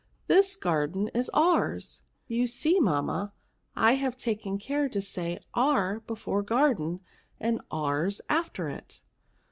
This gar den is oursn You see, mamma, I have taken care to say our before the garden, and ours after it."